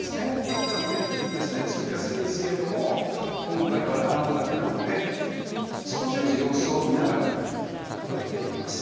比較的ですので作りやすいですけれども今回は卵黄だけなので少しずつ様子を見ながら加えていきます